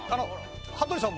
羽鳥さんも。